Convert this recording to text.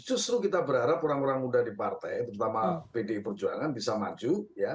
justru kita berharap orang orang muda di partai terutama pdi perjuangan bisa maju